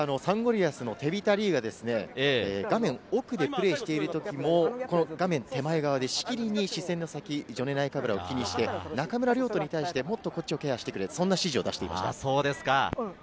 リアスのテビタ・リーが画面奥でプレーしているときも、画面手前側でしきりにジョネ・ナイカブラを気にして、中村亮土に対してもっとこっちをケアしてくれ、そんな指示を出していました。